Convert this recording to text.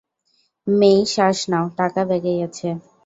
মেই, শ্বাস নাও, টাকা ব্যাগেই আছে।